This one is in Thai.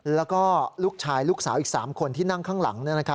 แล้วก็ลูกชายลูกสาวอีก๓คนที่นั่งข้างหลัง